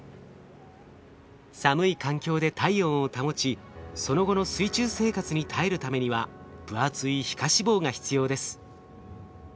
寒い環境で体温を保ちその後の水中生活に耐えるためには分厚い皮下脂肪が必要です。